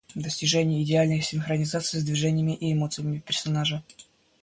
Достижение идеальной синхронизации с движениями и эмоциями персонажа.